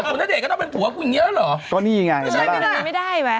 คุณณเดชนก็ต้องเป็นผัวกูอย่างเงี้ยเหรอก็นี่ไงใช่ไหมไม่ได้วะ